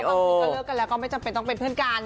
บางทีก็เลิกกันแล้วก็ไม่จำเป็นต้องเป็นเพื่อนกัน